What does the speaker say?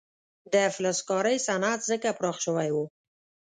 د فلزکارۍ صنعت ځکه پراخ شوی و.